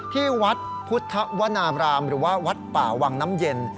ที่วัดพุทธวนาบรามหรือว่าวัดป่าวังน้ำเย็น